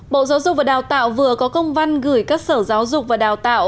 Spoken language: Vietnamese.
bộ giáo dục và đào tạo vừa có công văn gửi các sở giáo dục và đào tạo